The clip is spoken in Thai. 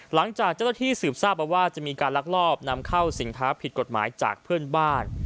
หลังจากเจ้าหน้าที่สืบทราบมาว่าจะมีการลักลอบนำเข้าสินค้าผิดกฎหมายจากเพื่อนบ้าน